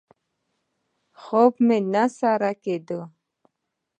خوب مې نه سر کېده.